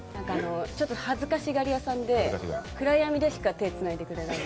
ちょっと恥ずかしがり屋さんで、暗闇でしか手つないでくれなくて。